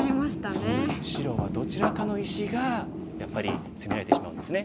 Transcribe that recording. そうなんです白はどちらかの石がやっぱり攻められてしまうんですね。